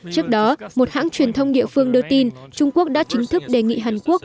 trước đó một hãng truyền thông địa phương đưa tin trung quốc đã chính thức đề nghị hàn quốc